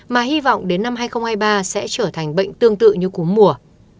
mà hy vọng đến năm hai nghìn hai mươi ba sẽ trở thành bệnh tương tự như cúm mùa